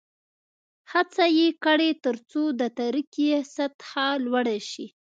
هڅې یې کړې ترڅو د ترقۍ سطحه لوړه شي.